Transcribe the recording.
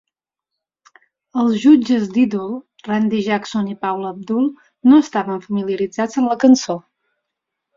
Els jutges d'"Idol", Randy Jackson i Paula Abdul, no estaven familiaritzats amb la cançó.